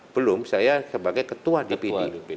belum saya sebagai ketua dpd